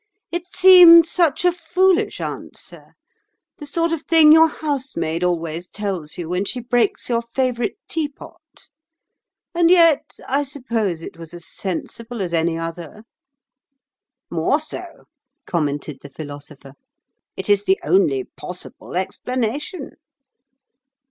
It seemed such a foolish answer—the sort of thing your housemaid always tells you when she breaks your favourite teapot. And yet, I suppose it was as sensible as any other." "More so," commented the Philosopher. "It is the only possible explanation."